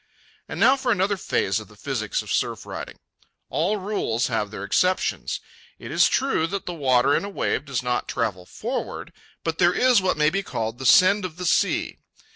And now for another phase of the physics of surf riding. All rules have their exceptions. It is true that the water in a wave does not travel forward. But there is what may be called the send of the sea.